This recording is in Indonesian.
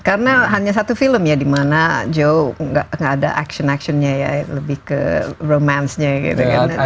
karena hanya satu film ya dimana joe enggak ada action actionnya ya lebih ke romance nya gitu kan